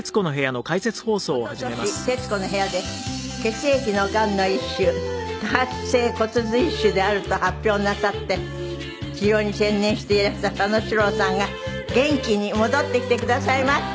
一昨年『徹子の部屋』で血液のがんの一種多発性骨髄腫であると発表をなさって治療に専念していらした佐野史郎さんが元気に戻ってきてくださいました。